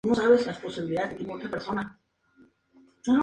El clero reformado fue reemplazado por un clero católico.